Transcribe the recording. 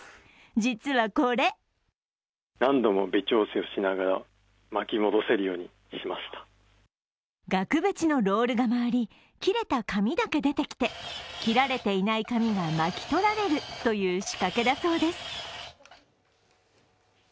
実はこれ額縁のロールが回り、切れた紙だけ出てきて切られていない紙が巻き取られるという仕掛けだそうです。